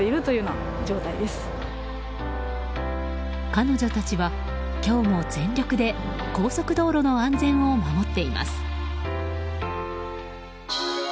彼女たちは今日も全力で高速道路の安全を守っています。